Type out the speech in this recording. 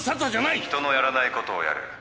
人のやらないことをやる。